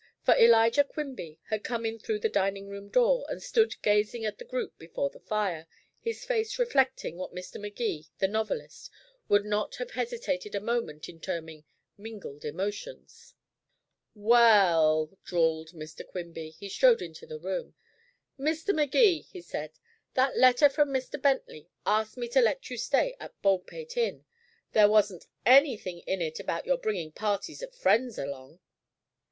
For Elijah Quimby had come in through the dining room door, and stood gazing at the group before the fire, his face reflecting what Mr. Magee, the novelist, would not have hesitated a moment in terming "mingled emotions". "Well," drawled Mr. Quimby. He strode into the room. "Mr. Magee," he said, "that letter from Mr. Bentley asked me to let you stay at Baldpate Inn. There wasn't anything in it about your bringing parties of friends along."